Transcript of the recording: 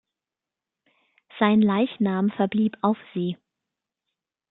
Sein Leichnam verblieb auf See.